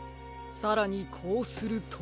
さらにこうすると。